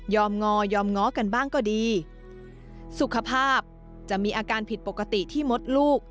งอยอมง้อกันบ้างก็ดีสุขภาพจะมีอาการผิดปกติที่มดลูก